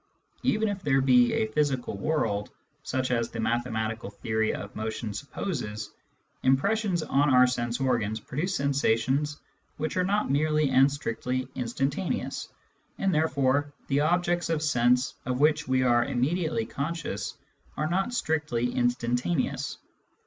Even if there be a physical world such as the mathematical theory of motion supposes, impressions on our sense organs produce sensa tions which are not merely and strictly instantaneous, and therefore the objects of sense of which we are immediately conscious are not £trictly instantaneous.